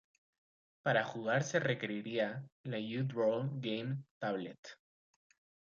Para jugar se requería la U.draw Game tablet.